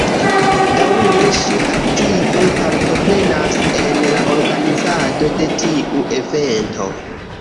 Daŭre ŝi aktive partoprenas en la organizado de tiu evento.